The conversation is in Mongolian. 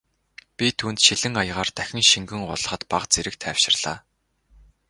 Би түүнд шилэн аягаар дахин шингэн уулгахад бага зэрэг тайвширлаа.